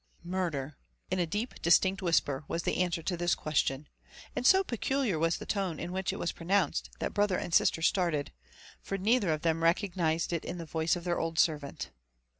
'* Murder!" in a deep distinct whisper, was the answer to this ques tion ; and so peculiar was the tone in which it was pronounced, that the brother and sister started, for neither of them recognised in it the voice of their old servant.